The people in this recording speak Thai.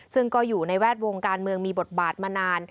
ซึ่งก็อยู่ในแวดวงการเมืองมีบทบาทมานาน